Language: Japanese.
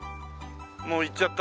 もう行っちゃったら。